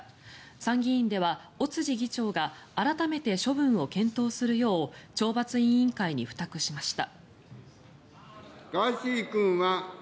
参議院では尾辻議長が改めて処分を検討するよう懲罰委員会に付託しました。